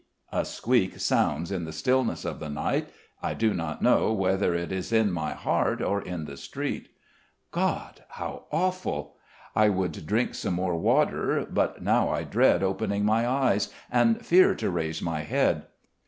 A squeak sounds in the stillness of the night. I do not know whether it is in my heart or in the street. God, how awful! I would drink some more water; but now I dread opening my eyes, and fear to raise my head.